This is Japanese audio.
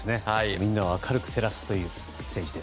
みんなを明るく照らす選手です。